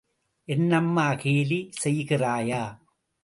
என்னம்மா கேலி செய்கிறாயா?